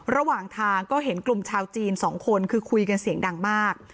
ระหว่างทางก็เห็นกลุ่มชาวจีนสองคนคือคุยกันเสียงดังมาก